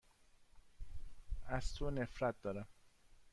از تو نفرت دارم.